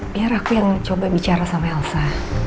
biar aku yang coba bicara sama elsa